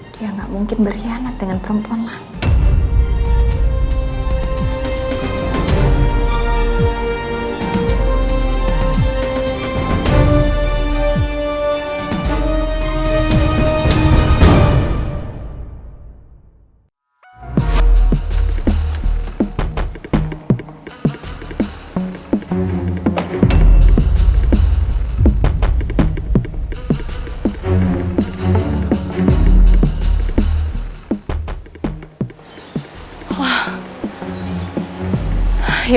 dia gak mungkin berkhianat dengan perempuan lain